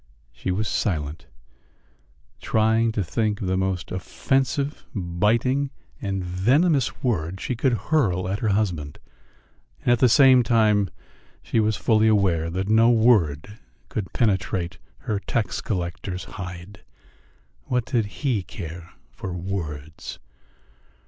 She was silent, trying to think of the most offensive, biting, and venomous word she could hurl at her husband, and at the same time she was fully aware that no word could penetrate her tax collector's hide. What did he care for words?